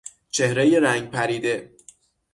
چهرهی رنگ پریده